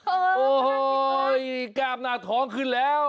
โอ้โหกล้ามหน้าท้องขึ้นแล้ว